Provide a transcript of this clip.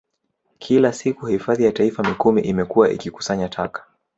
Kila siku Hifadhi ya Taifa Mikumi imekuwa ikikusanya taka